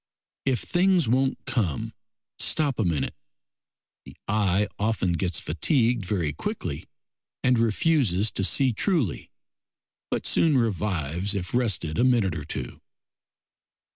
If things won't come, stop a minute; the eye often gets fatigued very quickly and refuses to see truly, but soon revives if rested a minute or two.